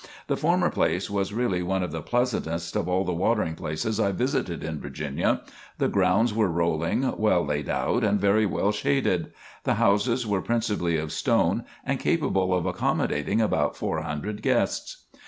The former place was really one of the pleasantest of all the watering places I visited in Virginia. The grounds were rolling, well laid out and very well shaded. The houses were principally of stone and capable of accommodating about four hundred guests.